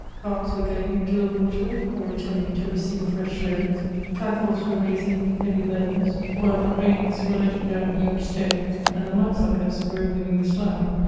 Carts were going into the water, or returning to receive fresh loads; tackles were raising heavy hurdens, while the cranes were letting down huge stones, and the mud suckers were removing the slough.